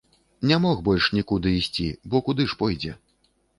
Не мог больш нікуды ісці, бо куды ж пойдзе?